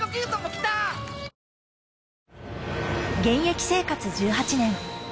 現役生活１８年